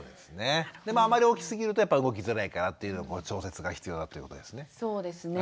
でもあまり大きすぎるとやっぱり動きづらいからっていうので調節が必要だということですね。